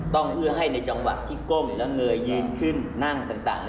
เพื่อให้ในจังหวะที่ก้มแล้วเงยยืนขึ้นนั่งต่าง